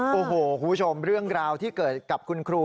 โอ้โหคุณผู้ชมเรื่องราวที่เกิดกับคุณครู